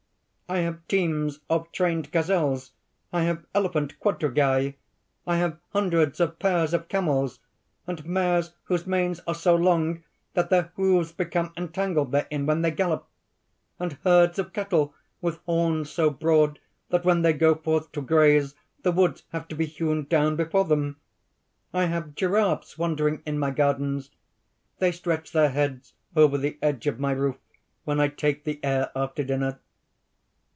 _) "I have teams of trained gazelles; I have elephant quadrigæ; I have hundreds of pairs of camels, and mares whose manes are so long that their hoofs become entangled therein when they gallop, and herds of cattle with horns so broad that when they go forth to graze the woods have to be hewn down before them. I have giraffes wandering in my gardens; they stretch their heads over the edge of my roof, when I take the air after dinner.